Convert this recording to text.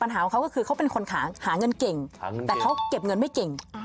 ของเขาก็คือเขาเป็นคนหาเงินเก่งแต่เขาเก็บเงินไม่เก่ง